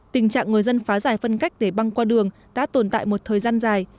tình trạng người dân phá giải phân cách để băng qua đường đã tồn tại một thời gian dài